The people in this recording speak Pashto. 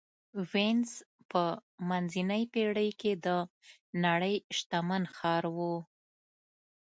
وینز په منځنۍ پېړۍ کې د نړۍ شتمن ښار و.